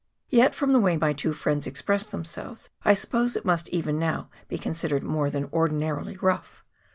Yet from the way my two friends expressed them selves, I suppose it must even now be considered more than ordinarily rough.